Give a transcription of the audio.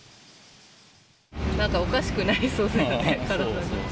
なんかおかしくなりそうだよね、体が。